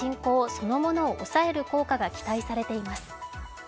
そのものを抑える効果が期待されています。